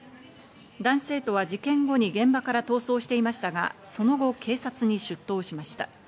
男子生徒は事件後に現場から逃走していましたが、その後、警察に出頭しました。